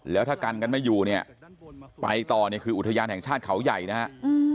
แล้วถ้ากันกันไม่อยู่เนี่ยไปต่อเนี่ยคืออุทยานแห่งชาติเขาใหญ่นะฮะ